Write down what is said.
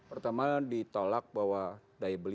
pertama ditolak bahwa daya beli